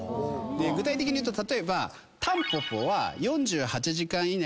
具体的に言うと例えば。